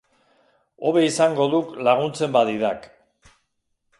Hobe izango duk laguntzen badidak.